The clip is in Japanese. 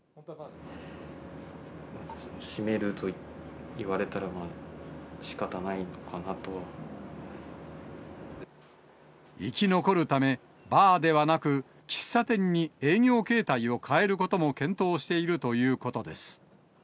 閉めると言われたら、まあ、生き残るため、バーではなく、喫茶店に営業形態を変えることも検討しているということです。